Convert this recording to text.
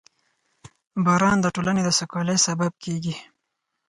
• باران د ټولنې د سوکالۍ سبب کېږي.